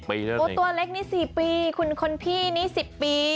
ตัวเล็กนี่๔ปีคนพี่นี่๑๐ปี